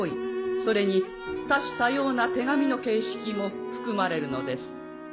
それに多種多様な手紙の形式も含まれるのです。